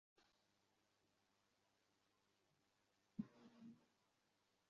তুই ওদের একজনকে মারবি, ওরা তোকে মারবে।